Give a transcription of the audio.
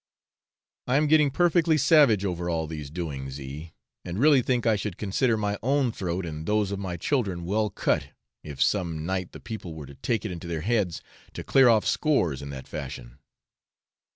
I am getting perfectly savage over all these doings, E , and really think I should consider my own throat and those of my children well cut, if some night the people were to take it into their heads to clear off scores in that fashion.